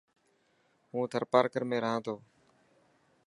هون ٿرپارڪر ۾ رهان ٿو.